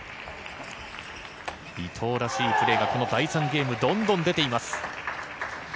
伊藤らしいプレーがこの第３ゲームどんどん出ています。